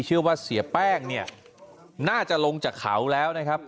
เชื่อว่าเสียแป้งเนี่ยน่าจะลงจากเขาแล้วนะครับ